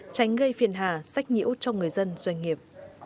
tránh gây phiền hà sách nhiễu cho người dân doanh nghiệp